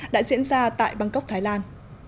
đã diễn ra tại bangkok thái lan